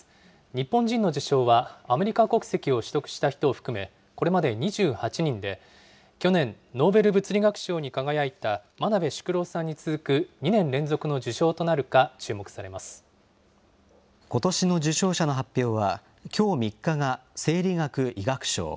日本人の受賞はアメリカ国籍を取得した人を含め、これまで２８人で、去年、ノーベル物理学賞に輝いた真鍋淑郎さんに続く２年連続の受賞となことしの受賞者の発表は、きょう３日が生理学・医学賞。